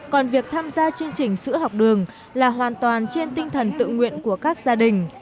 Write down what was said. còn việc tham gia chương trình sữa học đường là hoàn toàn trên tinh thần tự nguyện của các gia đình